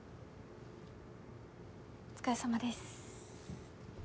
お疲れさまです。